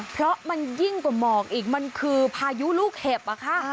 เพราะมันยิ่งกว่าหมอกอีกมันคือพายุลูกเห็บอะค่ะ